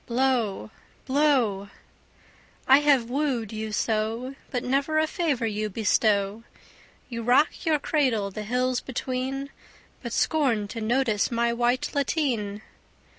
Blow, blow! I have wooed you so, But never a favour you bestow. You rock your cradle the hills between, But scorn to notice my white lateen.